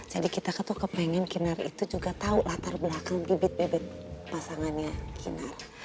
jadi kita tuh kepengen kinar itu juga tahu latar belakang bibit bibit pasangannya kinar